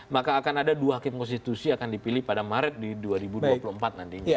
maka akan ada dua hakim konstitusi akan dipilih pada maret di dua ribu dua puluh empat nantinya